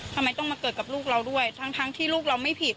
ทำไมต้องมาเกิดกับลูกเราด้วยทั้งที่ลูกเราไม่ผิด